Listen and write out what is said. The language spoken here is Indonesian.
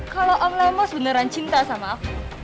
kalau om lemos beneran cinta sama aku